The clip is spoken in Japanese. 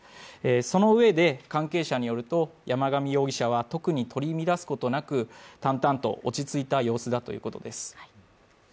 そのうえで、関係者によると山上容疑者は特に取り乱すこともなく、淡々と落ち着いた様子だということです。